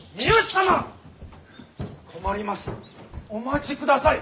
困りますお待ちください！